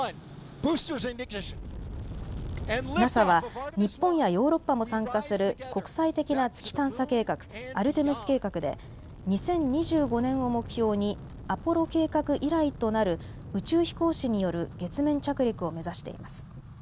ＮＡＳＡは日本やヨーロッパも参加する国際的な月探査計画、アルテミス計画で２０２５年を目標にアポロ計画以来となる宇宙飛行士による月面着陸を目指しています。